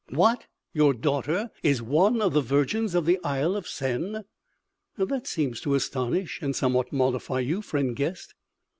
"What? Your daughter? Is she one of the virgins of the Isle of Sen?" "That seems to astonish and somewhat mollify you, friend guest!"